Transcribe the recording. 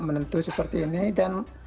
menentu seperti ini dan